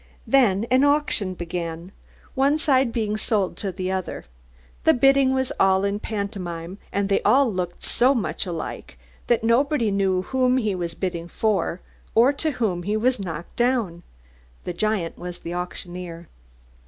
Then an auction began, one side being sold to the other. The bidding was all in pantomime, and they all looked so much alike that nobody knew whom he was bidding for, or to whom he was knocked down. The giant was the auctioneer.